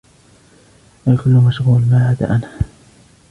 الكل مشغول ما عدى أنا.